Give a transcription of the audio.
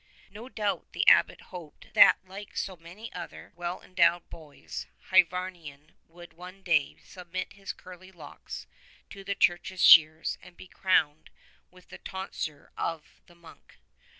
No doubt the Abbot hoped that like so many other well endowed boys Hyvarnion would one day submit his curly locks to the Church's shears and be crowned with the tonsure of the monk.